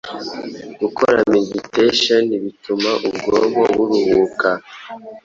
gukora meditation bituma ubwonko buruhuka